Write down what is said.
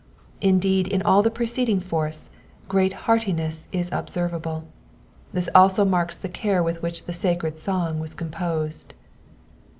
Indeed in all the preceding fourths great heartiness is observable. This also marks the care with which this sacred song was composed.